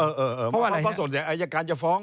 เพราะว่าอะไรครับอัยการจะฟ้อง